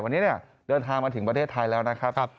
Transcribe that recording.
วันนี้เดินทางมาถึงประเทศไทยแล้วนะครับ